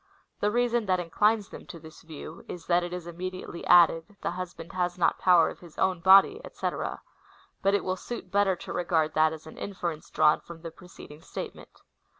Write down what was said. The reason that inclines them to this view is, that it is immediately added, The hv^band has not power of his own body, &c. ; but it will suit better to regard that as an inference drawn from the preceding statement.